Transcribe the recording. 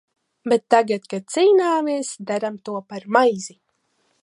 Bet tagad, kad cīnāmies, darām to par maizi!